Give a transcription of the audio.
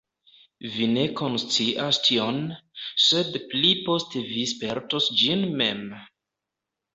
Vi ne konscias tion, sed pli poste vi spertos ĝin mem.